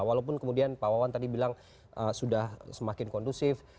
walaupun kemudian pak wawan tadi bilang sudah semakin kondusif